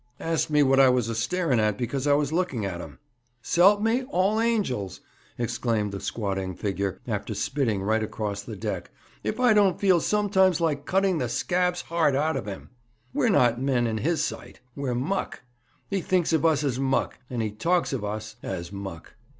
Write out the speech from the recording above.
'Asked me what I was a staring at because I was looking at him.' 'S'elp me, all angels!' exclaimed the squatting figure, after spitting right across the deck, 'if I don't feel sometimes like cutting the scab's heart out of him! We're not men in his sight. We're muck. He thinks of us as muck, and he talks of us as muck.